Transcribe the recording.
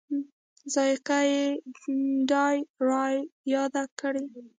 ذایقه یې دای رایاد کړي.